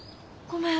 ごめん。